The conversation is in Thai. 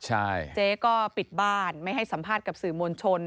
เจ๊ก็ปิดบ้านไม่ให้สัมภาษณ์กับสื่อมวลชน